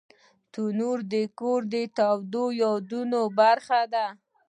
تنور د کور د تودو یادونو برخه ده